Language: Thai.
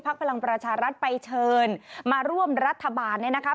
พักภังพระราชารัฐไปเชิญมาร่มรัฐบาลนะคะ